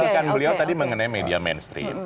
ada kerjaan beliau tadi mengenai media mainstream